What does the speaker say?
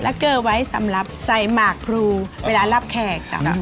แล้วเกอร์ไว้สำหรับใส่หมากครูเวลารับแขก